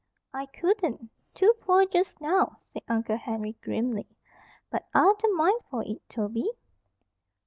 "I couldn't. Too poor just now," said Uncle Henry, grimly. "But I'd the mind for it, Toby."